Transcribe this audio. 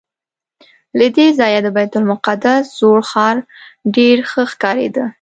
له دې ځایه د بیت المقدس زوړ ښار ډېر ښه ښکارېده.